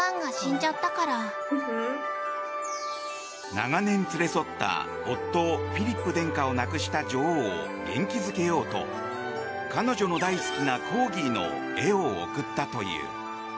長年連れ添った夫フィリップ殿下を亡くした女王を元気づけようと彼女の大好きなコーギーの絵を送ったという。